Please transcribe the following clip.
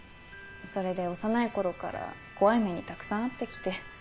それで幼い頃から怖い目にたくさん遭って来て。